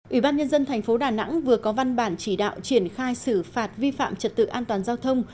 ủy ban nhân dân thành phố đà nẵng vừa có văn bản chỉ đạo triển khai xử phạt vi phạm trật tự an toàn giao thông